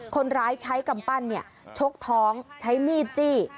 คนร้ายใช้กำปั้นชกท้องใช้มีดจี้